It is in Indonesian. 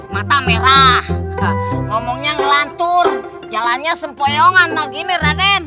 mata merah ngomongnya ngelantur jalannya sempoyongan mau gini raden